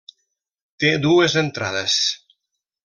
Té dues entrades.